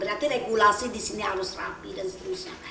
berarti regulasi di sini harus rapi dan seterusnya